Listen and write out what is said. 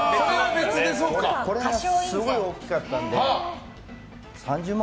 これがすごい大きかったので３０万